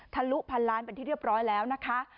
ทะลุ๑๐๐๐ล้านบาทเป็นที่เรียบร้อยแล้วนะคะ